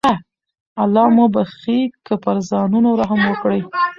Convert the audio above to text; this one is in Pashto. الله مو بخښي که پر ځانونو رحم وکړئ.